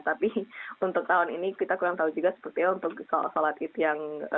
tapi untuk tahun ini kita kurang tahu juga sepertinya untuk sholat id yang